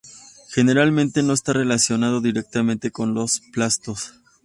Generalmente no está relacionado directamente con los plastos.